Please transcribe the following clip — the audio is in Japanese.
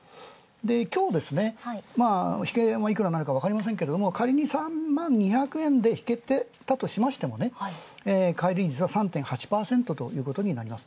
今日、引け値いくらになるかわかりませんけれど、仮に３万２００円で引けたとしても、返り率３．８ということになります。